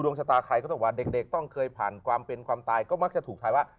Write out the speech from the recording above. ชะตาใครก็ต้องว่าเด็กต้องเคยผ่านความเป็นความตายก็มักจะถูกทายว่า